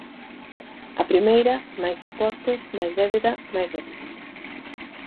A primeira, máis impostos, máis débeda, máis déficit.